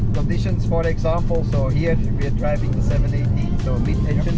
kondisi seperti ini kita sedang memandu tujuh ratus delapan puluh karakter mid engine